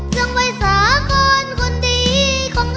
จังไว้สาก่อนคนดีของเฮ้ย